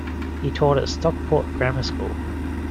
He taught at Stockport Grammar School.